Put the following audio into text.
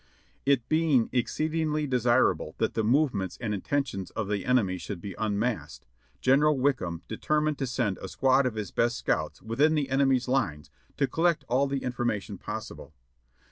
It being exceedingly desirable that the movements and inten tions of the enemy should be unmasked, General Wickham de termined to send a squad of his best scouts within the enemy's lines to collect all the information possible.